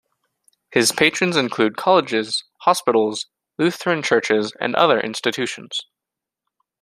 His patrons included colleges, hospitals, Lutheran Churches, and other institutions.